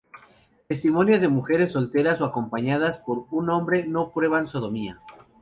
Testimonios de mujeres solteras o acompañadas por un hombre, no prueban sodomía.